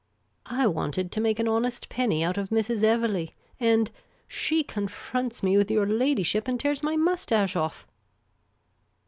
I wanted to make an honest penny out of Mrs. Evelegh ; and — she confronts nie with your ladyship and tears my moustache off.